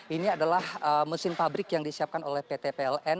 ini adalah mesin pabrik yang disiapkan oleh pt pln